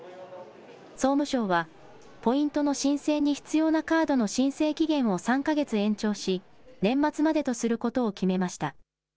総務省はポイントの申請に必要なカードの申請期限を３か月延長し年末までとすることを決めました。